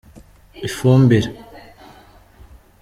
ifumbire.